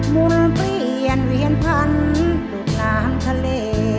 มุนเปรี้ยนเวียนพรรณดูดล้ามทะเล